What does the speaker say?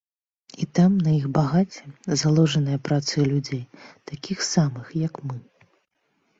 І там на іх багацце, заложанае працаю людзей, такіх самых, як мы.